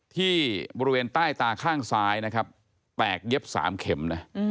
ที่บริเวณใต้ตาข้างซ้ายนะครับแตกเย็บ๓เข็มนะ